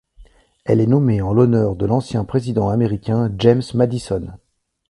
Elle est nommée en l'honneur de l'ancien président américain James Madison.